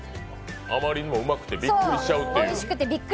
あまりにもうまくてびっくりしちゃうっていう。